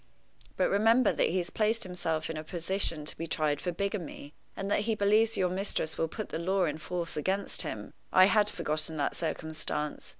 But remember that he has placed himself in a position to be tried for bigamy, and that he believes your mistress will put the law in force against him." I had forgotten that circumstance.